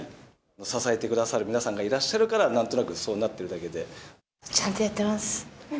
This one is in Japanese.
支えてくださる皆さんがいらっしゃるから、なんとなくそうなってちゃんとやってます。